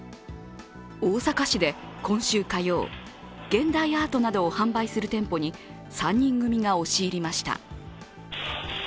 大阪市で今週火曜、現代アートなどを販売する店舗に３人組が押し入りました。